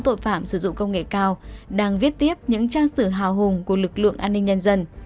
tội phạm sử dụng công nghệ cao đang viết tiếp những trang sử hào hùng của lực lượng an ninh nhân dân